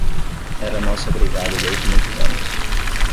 Era nosso agregado desde muitos anos